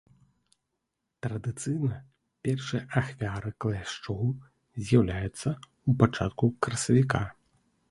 Традыцыйна першыя ахвяры кляшчоў з'яўляюцца ў пачатку красавіка.